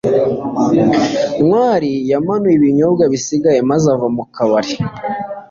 ntwali yamanuye ibinyobwa bisigaye maze ava mu kabari